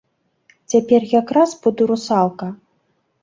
Цяпер якраз буду русалка.